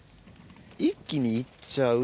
一気に行っちゃう？